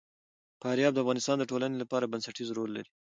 فاریاب د افغانستان د ټولنې لپاره بنسټيز رول لري.